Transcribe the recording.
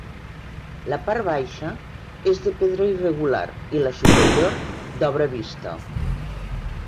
La part baixa és de pedra irregular i la superior, d'obra vista.